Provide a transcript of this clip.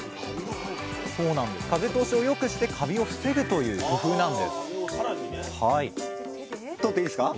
風通しをよくしてカビを防ぐという工夫なんです取っていいですか？